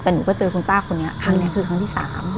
แต่หนูก็เจอคุณป้าคนนี้ครั้งนี้คือครั้งที่๓